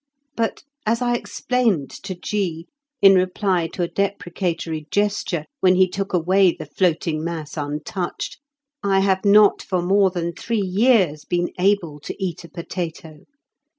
But, as I explained to G. in reply to a deprecatory gesture when he took away the floating mass untouched, I have not for more than three years been able to eat a potato.